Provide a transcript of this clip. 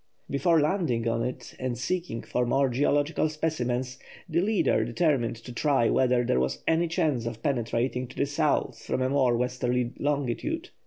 Before landing on it and seeking for more geological specimens, the leader determined to try whether there was any chance of penetrating to the South from a more westerly longitude.